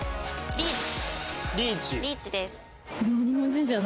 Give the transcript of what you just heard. リーチ。